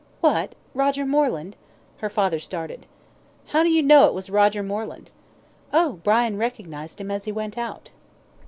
"What Roger Moreland?" Her father started. "How do you know it was Roger Moreland?" "Oh! Brian recognised him as he went out."